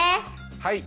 はい。